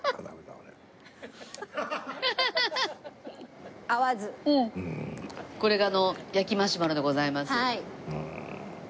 これが焼きマシュマロでございます。